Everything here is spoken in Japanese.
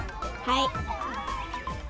はい！